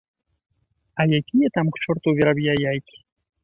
А якія там к чорту ў вераб'я яйкі!